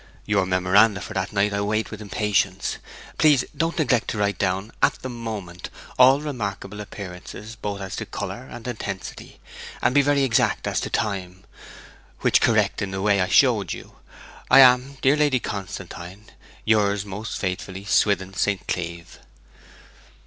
Your memoranda for that night I await with impatience. Please don't neglect to write down at the moment, all remarkable appearances both as to colour and intensity; and be very exact as to time, which correct in the way I showed you. I am, dear Lady Constantine, yours most faithfully, SWITHIN ST. CLEEVE.'